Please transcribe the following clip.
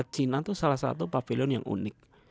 cina itu salah satu pavilion yang unik